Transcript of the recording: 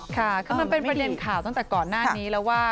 ค่ะคือมันเป็นประเด็นข่าวตั้งแต่ก่อนหน้านี้แล้วว่า